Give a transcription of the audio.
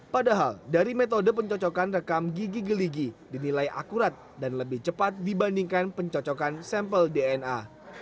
padahal dari metode pencocokan rekam gigi geligi dinilai akurat dan lebih cepat dibandingkan pencocokan sampel dna